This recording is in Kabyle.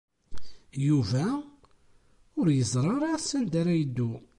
Yuba ur yeẓri ara sanda ara yeddu.